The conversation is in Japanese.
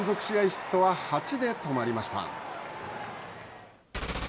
ヒットは８で止まりました。